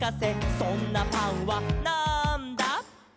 「そんなパンはなんだ？」